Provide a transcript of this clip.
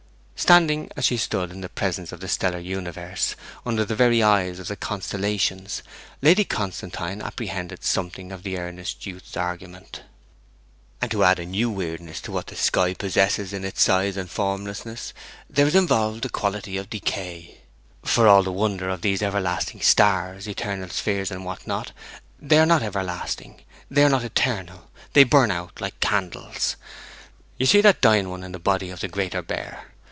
Standing, as she stood, in the presence of the stellar universe, under the very eyes of the constellations, Lady Constantine apprehended something of the earnest youth's argument. 'And to add a new weirdness to what the sky possesses in its size and formlessness, there is involved the quality of decay. For all the wonder of these everlasting stars, eternal spheres, and what not, they are not everlasting, they are not eternal; they burn out like candles. You see that dying one in the body of the Greater Bear?